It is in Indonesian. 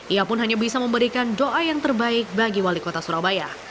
ia pun hanya bisa memberikan doa yang terbaik bagi wali kota surabaya